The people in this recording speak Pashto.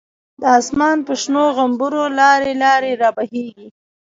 د آسمان په شنو غومبرو، لاری لاری را بهیږی